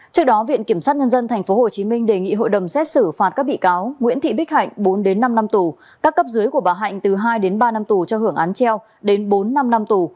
trước đó viện kiểm sát nhân dân tp hcm đề nghị hội đồng xét xử phạt các bị cáo nguyễn thị bích hạnh bốn đến năm năm tù các cấp dưới của bà hạnh từ hai đến ba năm tù cho hưởng án treo đến bốn năm năm tù